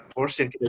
force yang kita